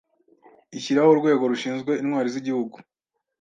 ishyiraho Urwego rushinzwe Intwari z’Igihugu